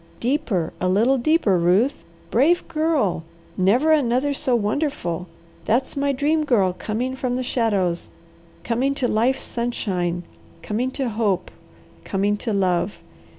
Deeper, a little deeper, Ruth! Brave Girl, never another so wonderful! That's my Dream Girl coming from the shadows, coming to life's sunshine, coming to hope, coming to love!